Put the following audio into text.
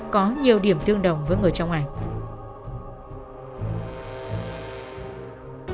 có nhiều điểm thương đồng với người trong ảnh